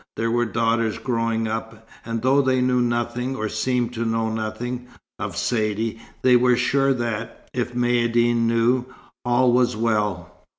There were daughters growing up, and though they knew nothing, or seemed to know nothing, of Saidee, they were sure that, if Maïeddine knew, all was well.